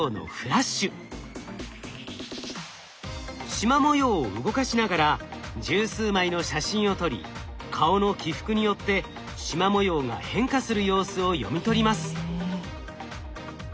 しま模様を動かしながら十数枚の写真を撮り顔の起伏によってしま模様が変化する様子を読み取ります。